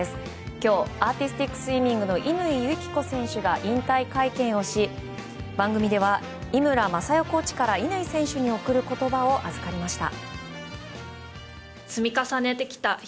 今日アーティスティックスイミングの乾友紀子選手が引退会見をし番組では井村雅代コーチから乾選手に贈る言葉を預かりました。